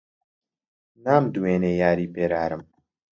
نامدوێنێ یاری پێرارم